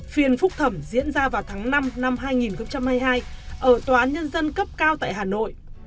phiên phúc thẩm diễn ra vào tháng năm năm hai nghìn hai mươi hai ở tòa án nhân dân cấp cao tại hà nội